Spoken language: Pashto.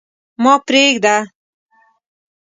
ما پرېږده.